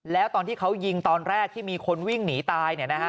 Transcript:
แล้วตอนที่เขายิงตอนแรกที่มีคนวิ่งหนีตาย